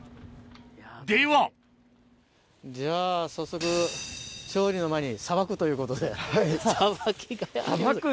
ではじゃあ早速調理の前にさばくということで。